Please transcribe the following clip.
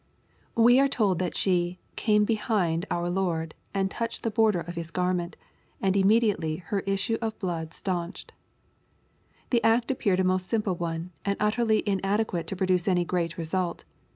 We are told that she " came be hind" our Lord, and "touched the border of His garment, and immediately her issue of blood stanched/' The act appeared a most simple one, and utterly inadequate to produce any great result.